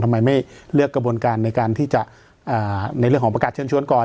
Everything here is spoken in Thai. ทำไมไม่เลือกกระบวนการในการที่จะในเรื่องของประกาศเชิญชวนก่อน